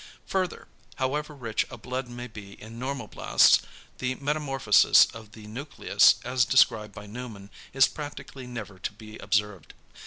Further, however rich a blood may be in normoblasts, the metamorphosis of the nucleus as described by Neumann, is practically never to be observed.